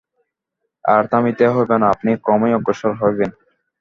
আর থামিতে হইবে না, আপনি ক্রমেই অগ্রসর হইবেন।